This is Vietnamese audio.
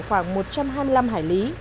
khoảng một trăm hai mươi năm hải lý